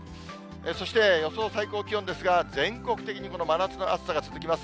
そして、予想最高気温ですが、全国的にこの真夏の暑さが続きます。